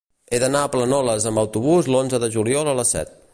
He d'anar a Planoles amb autobús l'onze de juliol a les set.